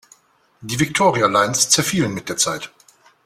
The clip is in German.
Die Victoria Lines zerfielen mit der Zeit.